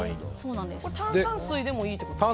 炭酸水でもいいってことですか。